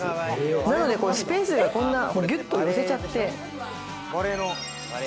なのでスペースがこんなギュっと寄せちゃって。